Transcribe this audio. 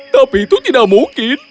tapi itu tidak mungkin